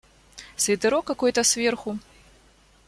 Свитерок какой-то, сверху.